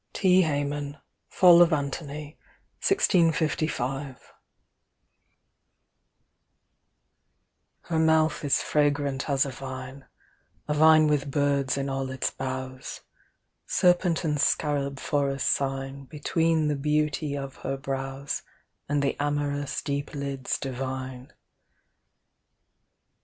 T. HAYMAN, Fall of Antony, 1655. CLEOPATRA I Her mouth is fragrant as a vine, A vine with birds in all its boughs; Serpent and scarab for a sign Between the beauty of her brows And the amorous deep lids divine.